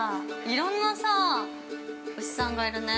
いろんなさ、牛さんがいるね。